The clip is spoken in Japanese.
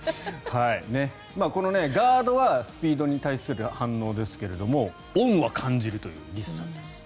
このガードはスピードに対する反応ですけど恩は感じるというリスさんです。